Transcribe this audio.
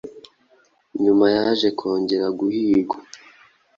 Nyuma yaje kongera guhigwa